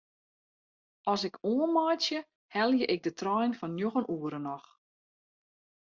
As ik oanmeitsje helje ik de trein fan njoggen oere noch.